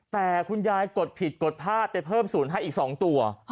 แต่คุณยายกดผิดกดพลาดไปเพิ่มศูนย์ให้อีก๒ตัว